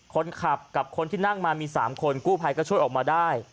คนขับกับคนที่นั่งมามี๓คนกู้ภัยก็ช่วยออกมาได้